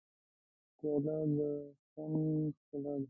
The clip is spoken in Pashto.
پیاله د فن ښکلا ده.